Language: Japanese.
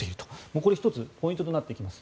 これ、１つポイントとなってきます。